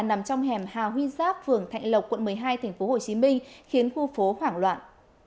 nằm trong hẻm hà huy giáp phường thạnh lộc quận một mươi hai tp hcm khiến khu phố hoảng loạn